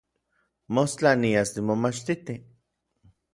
Mostla nias nimomachtiti.